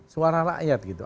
suara rakyat gitu